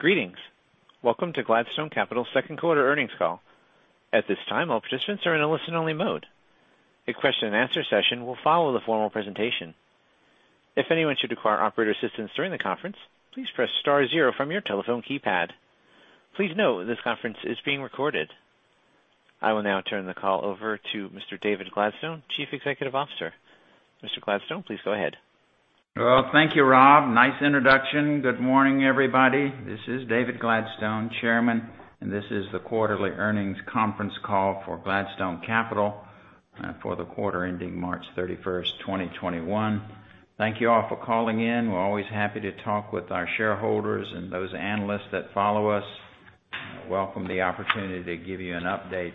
Greetings. Welcome to Gladstone Capital's second quarter earnings call. I will now turn the call over to Mr. David Gladstone, Chief Executive Officer. Mr. Gladstone, please go ahead. Well, thank you, Rob. Nice introduction. Good morning, everybody. This is David Gladstone, Chairman, and this is the quarterly earnings conference call for Gladstone Capital for the quarter ending March 31st, 2021. Thank you all for calling in. We're always happy to talk with our shareholders and those analysts that follow us. We welcome the opportunity to give you an update.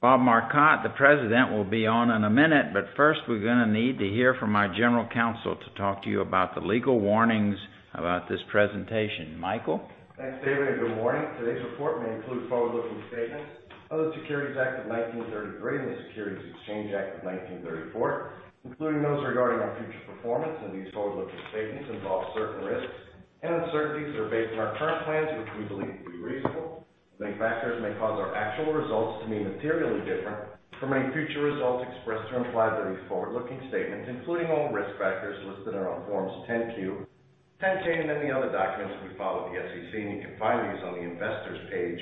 Bob Marcotte, the President, will be on in a minute, but first we're going to need to hear from our General Counsel to talk to you about the legal warnings about this presentation. Michael? Thanks, David, and good morning. Today's report may include forward-looking statements of the Securities Act of 1933 and the Securities Exchange Act of 1934, including those regarding our future performance. These forward-looking statements involve certain risks and uncertainties that are based on our current plans, which we believe to be reasonable. Many factors may cause our actual results to be materially different from any future results expressed or implied by these forward-looking statements, including all risk factors listed in our forms 10-Q, 10-K and any other documents we file with the SEC. You can find these on the investors page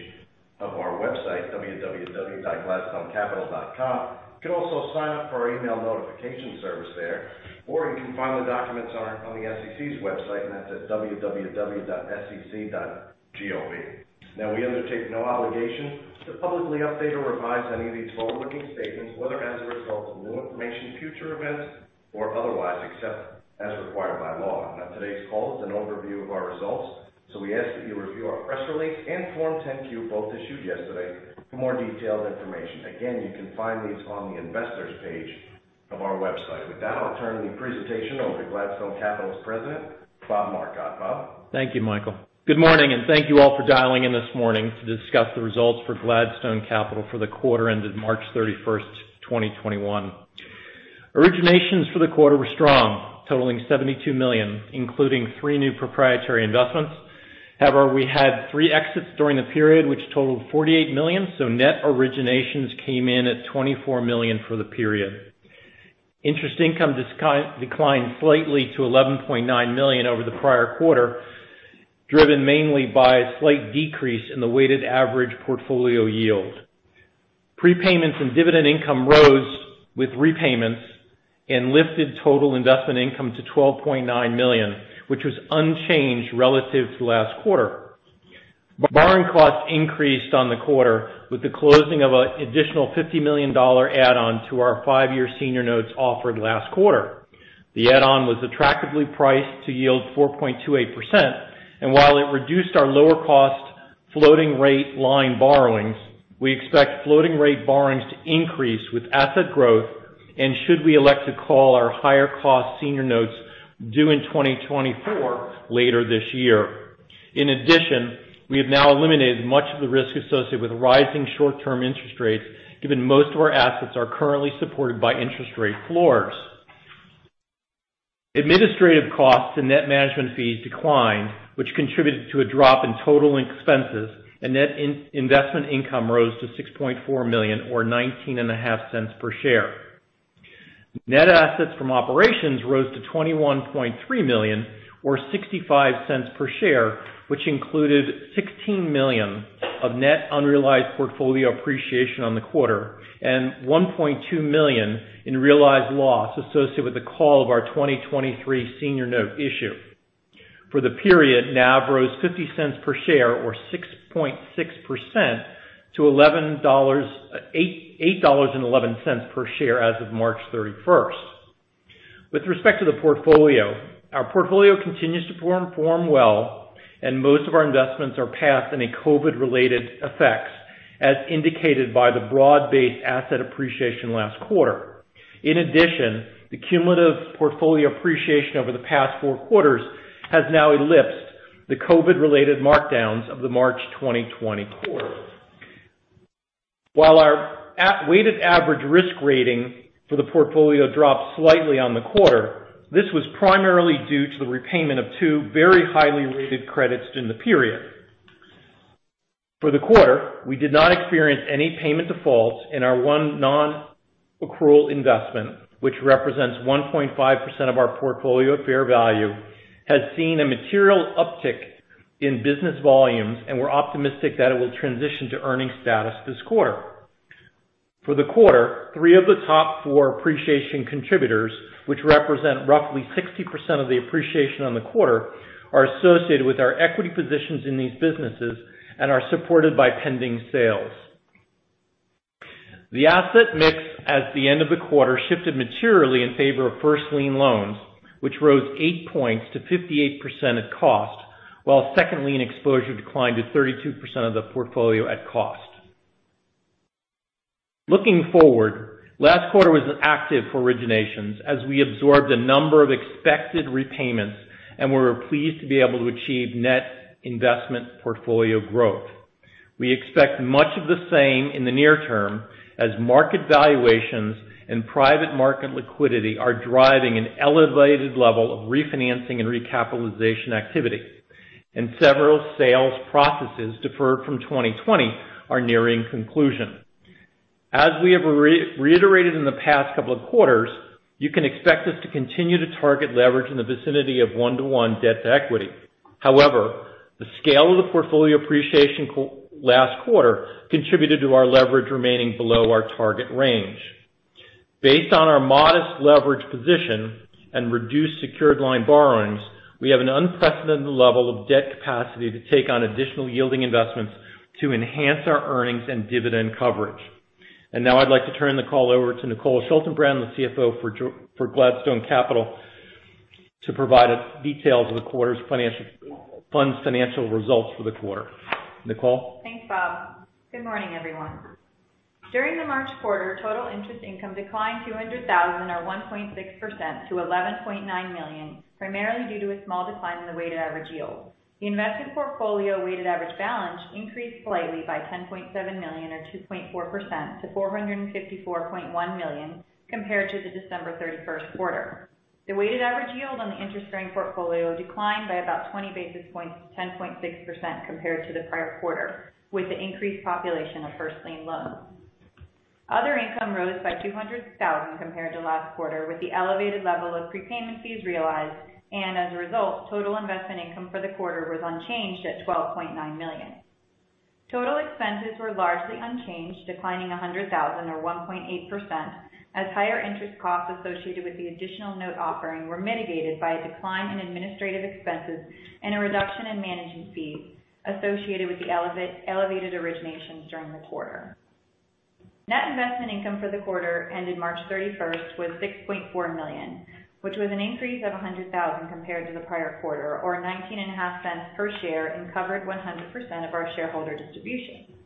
of our website, www.gladstonecapital.com. You can also sign up for our email notification service there, or you can find the documents on the SEC's website, and that's at www.sec.gov. We undertake no obligation to publicly update or revise any of these forward-looking statements, whether as a result of new information, future events, or otherwise, except as required by law. Today's call is an overview of our results, so we ask that you review our press release and Form 10-Q, both issued yesterday, for more detailed information. Again, you can find these on the investors page of our website. With that, I'll turn the presentation over to Gladstone Capital's President, Bob Marcotte. Bob? Thank you, Michael. Good morning, and thank you all for dialing in this morning to discuss the results for Gladstone Capital for the quarter ended March 31st, 2021. Originations for the quarter were strong, totaling $72 million, including three new proprietary investments. We had three exits during the period, which totaled $48 million. Net originations came in at $24 million for the period. Interest income declined slightly to $11.9 million over the prior quarter, driven mainly by a slight decrease in the weighted average portfolio yield. Prepayments and dividend income rose with repayments and lifted total investment income to $12.9 million, which was unchanged relative to last quarter. Borrowing costs increased on the quarter with the closing of an additional $50 million add-on to our five-year senior notes offered last quarter. The add-on was attractively priced to yield 4.28%, and while it reduced our lower cost floating rate line borrowings, we expect floating rate borrowings to increase with asset growth and should we elect to call our higher cost senior notes due in 2024 later this year. In addition, we have now eliminated much of the risk associated with rising short-term interest rates, given most of our assets are currently supported by interest rate floors. Administrative costs and net management fees declined, which contributed to a drop in total expenses and net investment income rose to $6.4 million or $0.195 per share. Net assets from operations rose to $21.3 million or $0.65 per share, which included $16 million of net unrealized portfolio appreciation on the quarter and $1.2 million in realized loss associated with the call of our 2023 senior note issue. For the period, NAV rose $0.50 per share or 6.6% to $8.11 per share as of March 31st. With respect to the portfolio, our portfolio continues to perform well and most of our investments are past any COVID-related effects as indicated by the broad-based asset appreciation last quarter. In addition, the cumulative portfolio appreciation over the past four quarters has now eclipsed the COVID-related markdowns of the March 2020 quarter. While our weighted average risk rating for the portfolio dropped slightly on the quarter, this was primarily due to the repayment of two very highly rated credits during the period. For the quarter, we did not experience any payment defaults in our one non-accrual investment, which represents 1.5% of our portfolio at fair value, has seen a material uptick in business volumes, and we're optimistic that it will transition to earning status this quarter. For the quarter, three of the top four appreciation contributors, which represent roughly 60% of the appreciation on the quarter, are associated with our equity positions in these businesses and are supported by pending sales. The asset mix at the end of the quarter shifted materially in favor of first lien loans, which rose eight points to 58% at cost, while second lien exposure declined to 32% of the portfolio at cost. Looking forward, last quarter was active for originations as we absorbed a number of expected repayments and we were pleased to be able to achieve net investment portfolio growth. We expect much of the same in the near term as market valuations and private market liquidity are driving an elevated level of refinancing and recapitalization activity. Several sales processes deferred from 2020 are nearing conclusion. As we have reiterated in the past couple of quarters, you can expect us to continue to target leverage in the vicinity of one-to-one debt to equity. The scale of the portfolio appreciation last quarter contributed to our leverage remaining below our target range. Based on our modest leverage position and reduced secured line borrowings, we have an unprecedented level of debt capacity to take on additional yielding investments to enhance our earnings and dividend coverage. Now I'd like to turn the call over to Nicole Schaltenbrand, the CFO for Gladstone Capital, to provide us details of the fund's financial results for the quarter. Nicole? Thanks, Bob. Good morning, everyone. During the March quarter, total interest income declined $200,000 or 1.6% to $11.9 million, primarily due to a small decline in the weighted average yield. The investment portfolio weighted average balance increased slightly by $10.7 million or 2.4% to $454.1 million compared to the December 31st quarter. The weighted average yield on the interest-earning portfolio declined by about 20 basis points to 10.6% compared to the prior quarter, with the increased population of first lien loans. Other income rose by $200,000 compared to last quarter, with the elevated level of prepayment fees realized, and as a result, total investment income for the quarter was unchanged at $12.9 million. Total expenses were largely unchanged, declining $100,000 or 1.8%, as higher interest costs associated with the additional note offering were mitigated by a decline in administrative expenses and a reduction in management fees associated with the elevated originations during the quarter. Net investment income for the quarter ended March 31st was $6.4 million, which was an increase of $100,000 compared to the prior quarter, or $0.195 per share, and covered 100% of our shareholder distribution.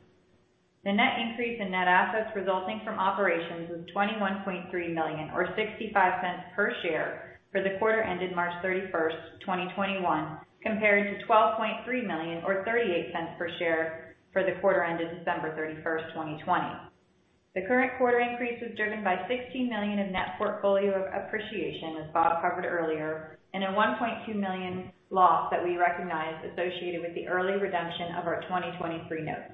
The net increase in net assets resulting from operations was $21.3 million or $0.65 per share for the quarter ended March 31st, 2021, compared to $12.3 million or $0.38 per share for the quarter ended December 31st, 2020. The current quarter increase was driven by $16 million of net portfolio appreciation, as Bob covered earlier, and a $1.2 million loss that we recognized associated with the early redemption of our 2023 notes.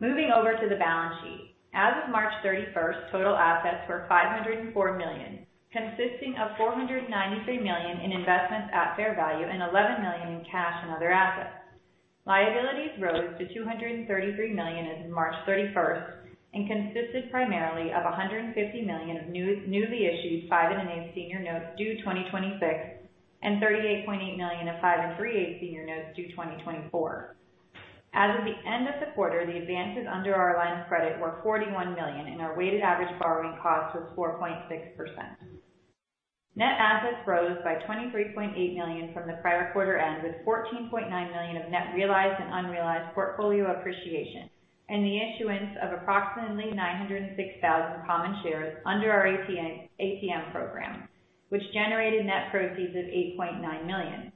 Moving over to the balance sheet. As of March 31st, total assets were $504 million, consisting of $493 million in investments at fair value and $11 million in cash and other assets. Liabilities rose to $233 million as of March 31st and consisted primarily of $150 million of newly issued 5.125% senior notes due 2026, and $38.8 million of 5.375% senior notes due 2024. As of the end of the quarter, the advances under our line of credit were $41 million, and our weighted average borrowing cost was 4.6%. Net assets rose by $23.8 million from the prior quarter end with $14.9 million of net realized and unrealized portfolio appreciation and the issuance of approximately 906,000 common shares under our ATM program, which generated net proceeds of $8.9 million.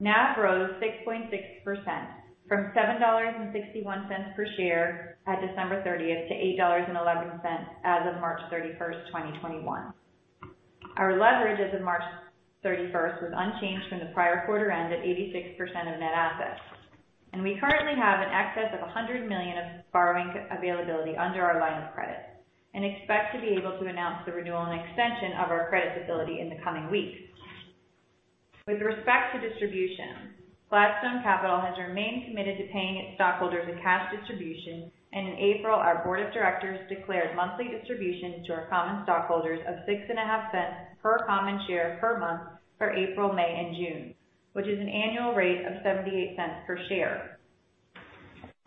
NAV rose 6.6%, from $7.61 per share at December 30th to $8.11 as of March 31st, 2021. Our leverage as of March 31st was unchanged from the prior quarter end at 86% of net assets. We currently have an excess of $100 million of borrowing availability under our line of credit and expect to be able to announce the renewal and extension of our credit facility in the coming weeks. With respect to distribution, Gladstone Capital has remained committed to paying its stockholders a cash distribution, in April, our board of directors declared monthly distribution to our common stockholders of $0.065 per common share per month for April, May, and June, which is an annual rate of $0.78 per share.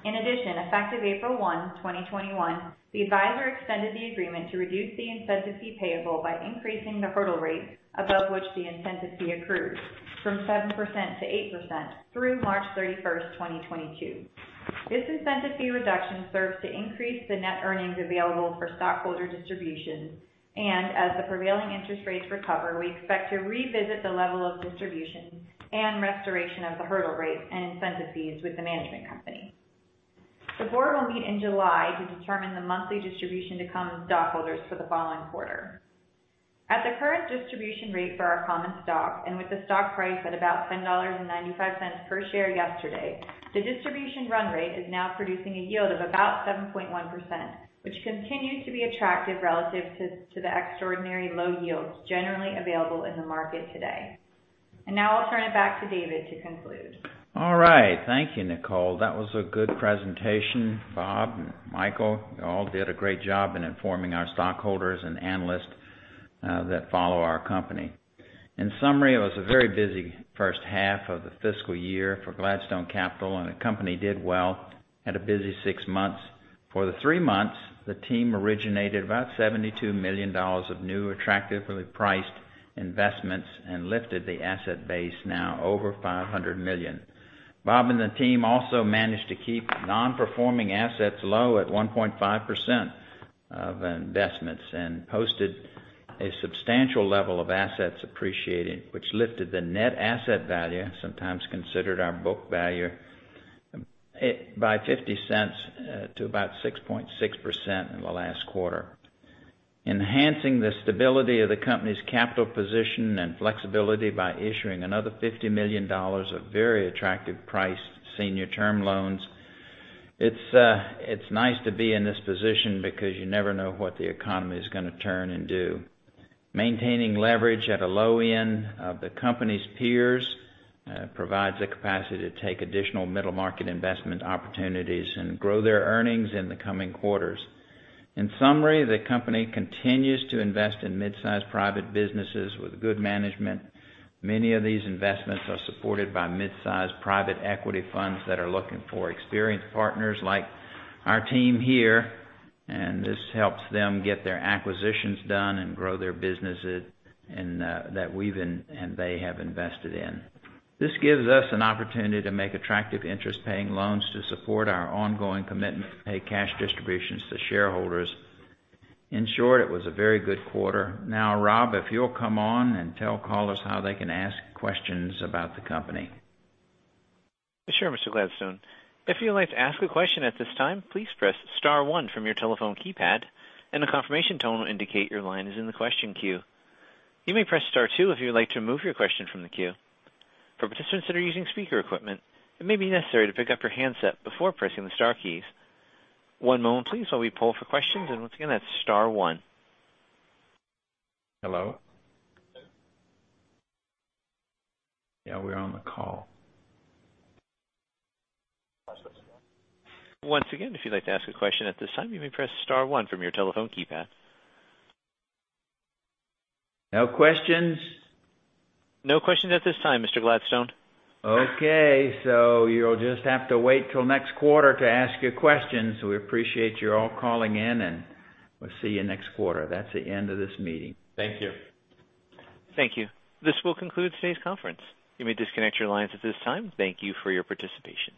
In addition, effective April 1, 2021, the advisor extended the agreement to reduce the incentive fee payable by increasing the hurdle rate above which the incentive fee accrues from 7% to 8% through March 31st, 2022. This incentive fee reduction serves to increase the net earnings available for stockholder distribution, and as the prevailing interest rates recover, we expect to revisit the level of distribution and restoration of the hurdle rate and incentive fees with the management company. The Board will meet in July to determine the monthly distribution to common stockholders for the following quarter. At the current distribution rate for our common stock, and with the stock price at about $10.95 per share yesterday, the distribution run rate is now producing a yield of about 7.1%, which continues to be attractive relative to the extraordinary low yields generally available in the market today. Now I'll turn it back to David to conclude. All right. Thank you, Nicole. That was a good presentation. Bob and Michael, you all did a great job in informing our stockholders and analysts that follow our company. In summary, it was a very busy first half of the fiscal year for Gladstone Capital, and the company did well. Had a busy six months. For the three months, the team originated about $72 million of new attractively priced investments and lifted the asset base now over $500 million. Bob Marcotte and the team also managed to keep non-performing assets low at 1.5% of investments and posted A substantial level of assets appreciated, which lifted the net asset value, sometimes considered our book value, by $0.50 to about 6.6% in the last quarter. Enhancing the stability of the company's capital position and flexibility by issuing another $50 million of very attractive price senior term loans. It's nice to be in this position because you never know what the economy is going to turn and do. Maintaining leverage at a low end of the company's peers provides the capacity to take additional middle market investment opportunities and grow their earnings in the coming quarters. In summary, the company continues to invest in mid-size private businesses with good management. Many of these investments are supported by mid-size private equity funds that are looking for experienced partners like our team here, and this helps them get their acquisitions done and grow their businesses that we've and they have invested in. This gives us an opportunity to make attractive interest paying loans to support our ongoing commitment to pay cash distributions to shareholders. In short, it was a very good quarter. Now, Rob, if you'll come on and tell callers how they can ask questions about the company. Sure, Mr. Gladstone. If you'd like to ask a question at this time, please press star one from your telephone keypad, and a confirmation tone will indicate your line is in the question queue. You may press star two if you would like to remove your question from the queue. For participants that are using speaker equipment, it may be necessary to pick up your handset before pressing the star keys. One moment please while we poll for questions, and once again, that's star one. Hello? Yeah, we're on the call. Once again, if you'd like to ask a question at this time, you may press star one from your telephone keypad No questions? No questions at this time, Mr. Gladstone. Okay, you'll just have to wait till next quarter to ask your questions. We appreciate you all calling in, and we'll see you next quarter. That's the end of this meeting. Thank you. Thank you. This will conclude today's conference. You may disconnect your lines at this time. Thank you for your participation.